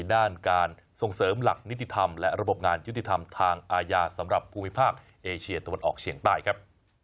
ด้านการส่งเสริมหลักนิติธรรมและระบบงานยุติธรรมทางอาญาสำหรับภูมิภาคเอเชียตะวันออกเฉียงใต้ครับ